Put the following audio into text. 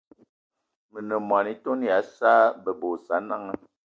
Me ne mô-etone ya Sa'a bebe y Osananga